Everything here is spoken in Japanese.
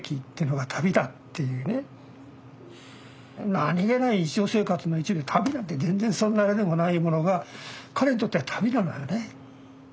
何気ない日常生活の一部旅なんて全然そんなあれでもないものが彼にとっては旅なのよね。